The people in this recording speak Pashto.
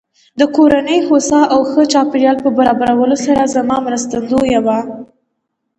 د کورنۍ هوسا او ښه چاپېريال په برابرولو سره زما مرستندويه وه.